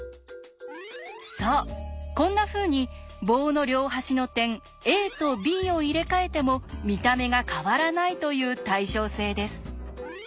そうこんなふうに棒の両端の点ＡとＢを入れ替えても見た目が変わらないという対称性です。